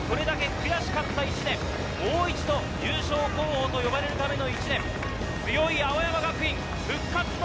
悔しかった１年、もう一度、優勝候補と呼ばれるための１年、強い青山学院！